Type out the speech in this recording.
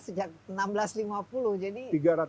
sejak seribu enam ratus lima puluh jadi